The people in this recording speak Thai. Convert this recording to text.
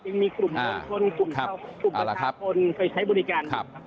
ยังมีกลุ่มคนกลุ่มประกาศคนไปใช้บริการ